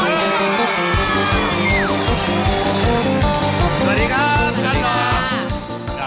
สวัสดีครับ